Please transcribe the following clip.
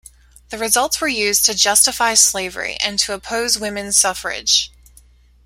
The results were used to justify slavery, and to oppose women's suffrage.